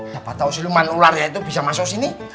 siapa tau siluman ular itu bisa masuk sini